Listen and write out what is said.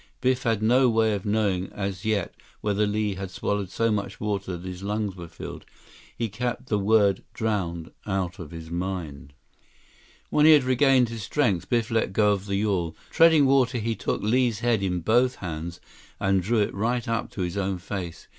Biff had no way of knowing as yet whether Li had swallowed so much water that his lungs were filled. He kept the word "drowned" out of his mind. When he had regained his strength, Biff let go of the yawl. Treading water, he took Li's head in both hands and drew it right up to his own face.